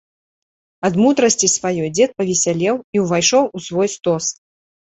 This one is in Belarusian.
Ад мудрасці сваёй дзед павесялеў і ўвайшоў у свой стос.